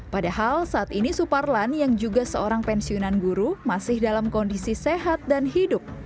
padahal saat ini suparlan yang juga seorang pensiunan guru masih dalam kondisi sehat dan hidup